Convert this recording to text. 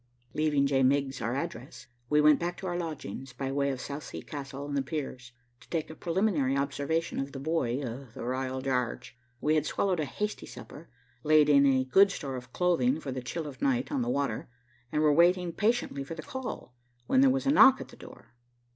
Leaving J. Miggs our address, we went back to our lodgings, by way of Southsea Castle and the piers, to take a preliminary observation of the buoy of the "R'yal Jarge." We had swallowed a hasty supper, laid in a good store of clothing for the chill of night on the water, and were waiting patiently for the call, when there was a knock at the door.